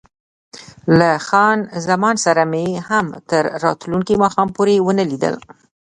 له خان زمان سره مې هم تر راتلونکي ماښام پورې ونه لیدل.